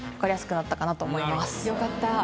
よかった。